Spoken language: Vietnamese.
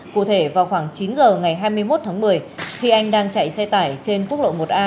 cụ thể vào khoảng chín h ngày hai mươi một tháng một mươi khi anh đang chạy xe tải trên quốc lộ một a